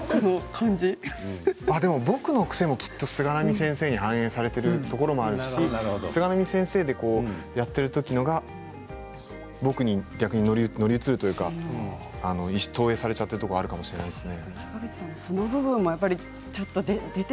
僕の癖もきっと菅波先生に反映されるところもあるし菅波先生でやってるときのほうが僕に逆に乗り移るというか投影されちゃっているところもあるかもしれないですね。